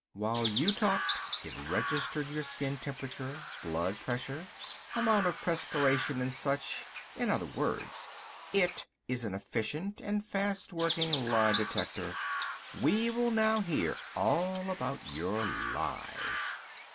While you talked it registered your skin temperature, blood pressure, amount of perspiration and such. In other words it is an efficient and fast working lie detector. We will now hear all about your lies."